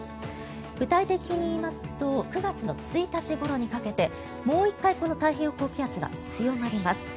具体的に言いますと９月の１日ぐらいにかけてもう１回、太平洋高気圧が強まります。